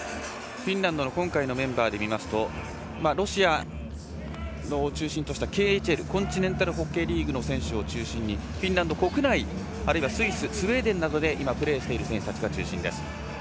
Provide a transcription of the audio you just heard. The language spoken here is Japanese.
フィンランドの今回のメンバーで見ますとロシアを中心としたＫＨＬコンチネンタル・ホッケー・リーグの選手を中心にフィンランド国内あるいはスイススウェーデンなどで今、プレーしている選手たちが中心です。